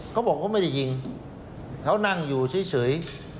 เขาบอกเขาไม่ได้ยิงเขานั่งอยู่เฉย